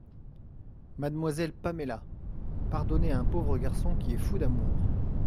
Mademoiselle Paméla, pardonnez à un pauvre garçon qui est fou d’amour.